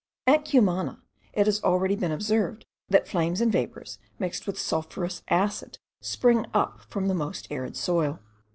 At Cumana, it has already been observed that flames and vapours mixed with sulphurous acid spring up from the most arid soil.